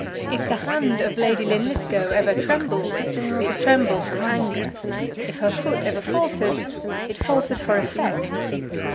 If the hand of Lady Linlithgow ever trembled, it trembled from anger; if her foot ever faltered, it faltered for effect.